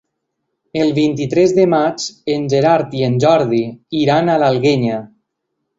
El vint-i-tres de maig en Gerard i en Jordi iran a l'Alguenya.